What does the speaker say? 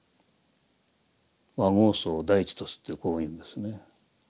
「和合僧を第一とす」とこう言うんですね。